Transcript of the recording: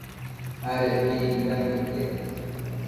Adecbidi bëdanbo iquec